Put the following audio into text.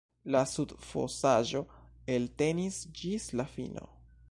La subfosaĵo eltenis ĝis la fino.